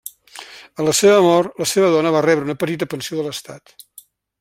A la seva mort la seva dona va rebre una petita pensió de l'Estat.